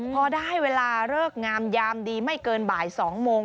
พอได้เวลาเลิกงามยามดีไม่เกินบ่าย๒โมง